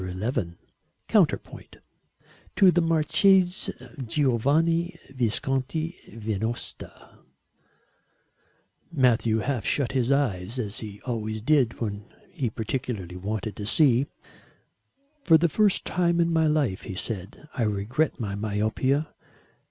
XI COUNTERPOINT [To THE MARCHESE GIOVANNI VISCONTI VENOSTA] Matthew half shut his eyes as he always did when he particularly wanted to see. "For the first time in my life," he said, "I regret my myopia.